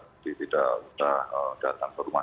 jadi tidak sudah datang ke rumah